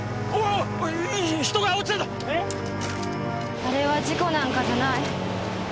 あれは事故なんかじゃない。